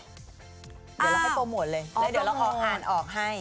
เดี๋ยวเราให้โปรโมทเลยแล้วเดี๋ยวเราขออ่านออกให้